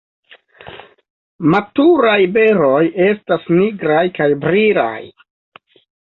Maturaj beroj estas nigraj kaj brilaj.